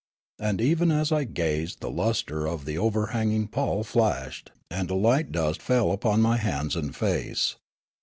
And even as I gazed the lustre of the overhanging pall flashed, and a light dust fell upon my hands and face.